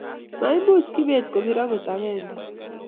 Maimuch Kibet kopir agot agenge